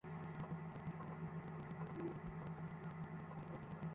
কিন্তু ব্যবসায়ী আশিস কুমার শর্মাকে নিয়মিত মামলার বাইরে তলব করা হয়েছে।